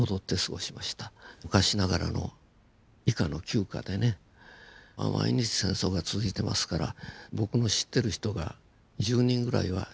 昔ながらの毎日戦争が続いてますから僕の知ってる人が１０人ぐらいは死んでいく。